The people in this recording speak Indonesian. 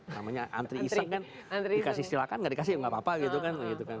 namanya antre iseng kan dikasih silakan gak dikasih ya gak apa apa gitu kan